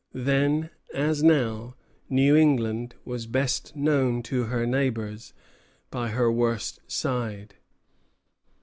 Then, as now, New England was best known to her neighbors by her worst side.